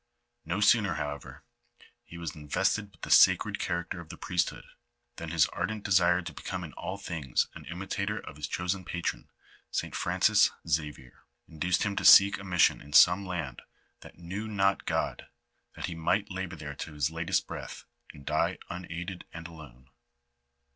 No sooner, however, was he invested with the sacred character of the priesthood, than his ardent desire to become in all things an imitator of his chosen patron, St. Francis Xavier, induced him to seek a mission in some land that knew not God, that he might labor there to his latest breath, and die unaided and alone.